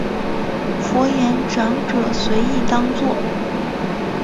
佛言长者随意当作。